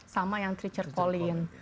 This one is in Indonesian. sama yang trichard colleen